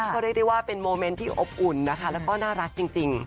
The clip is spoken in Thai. ก็เรียกได้ว่าเป็นโมเมนต์ที่อบอุ่นนะคะแล้วก็น่ารักจริง